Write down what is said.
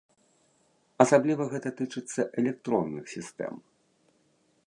Асабліва гэта тычыцца электронных сістэм.